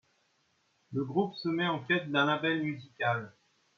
Le groupe se met en quête d'un label musical.